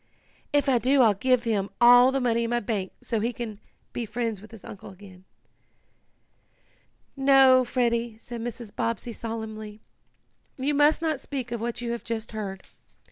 "If I do I'll give him all the money in my bank so he can be friends with his uncle again." "No, Freddie," said Mrs. Bobbsey solemnly. "You must not speak of what you have just heard.